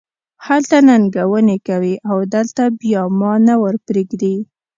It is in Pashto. هلته ننګونې کوې او دلته بیا ما نه ور پرېږدې.